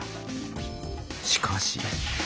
しかし。